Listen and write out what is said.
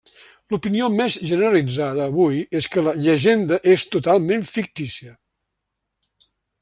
L'opinió més generalitzada avui és que la llegenda és totalment fictícia.